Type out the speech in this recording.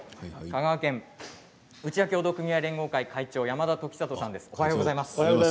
香川県うちわ協同組合連合会会長山田時達さんです。